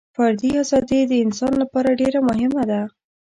فردي ازادي د انسان لپاره ډېره مهمه ده.